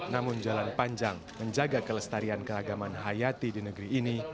namun jalan panjang menjaga kelestarian keragaman hayati di negeri ini